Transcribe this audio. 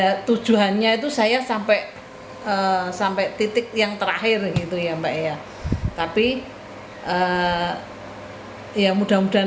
ya tujuannya itu saya sampai sampai titik yang terakhir gitu ya mbak ya tapi ya mudah mudahan